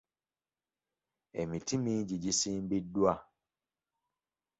Emiti mingi gisimbiddwa.